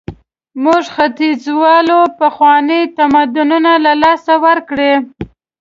موږ ختیځوالو پخواني تمدنونه له لاسه ورکړي.